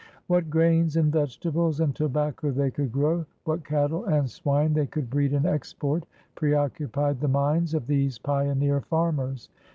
What grains and v^etables and tobacco they could grow, what cattle and swine they could breed and export, preoccupied the minds of these pioneer farmers.